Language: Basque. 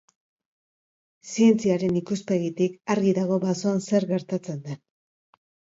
Zientziaren ikuspegitik argi dago basoan zer gertatzen den .